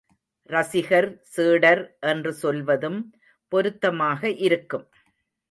ரசிகர், சீடர் என்று சொல்வதும் பொருத்தமாக இருக்கும்.